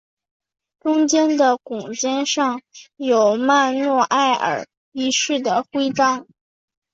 中间的拱肩上有曼努埃尔一世的徽章。